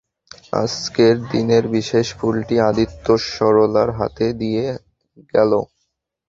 আজকের দিনের বিশেষ ফুলটি আদিত্য সরলার হাতে দিয়ে গেল।